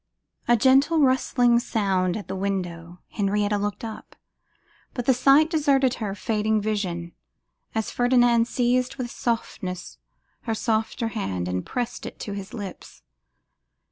A gentle rustling sounded at the window: Henrietta looked up, but the sight deserted her fading vision, as Ferdinand seized with softness her softer hand, and pressed it to his lips.